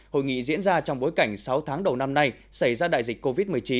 hội nghị diễn ra trong bối cảnh sáu tháng đầu năm nay xảy ra đại dịch covid một mươi chín